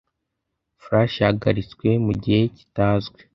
flash yahagaritswe mugihe kitazwi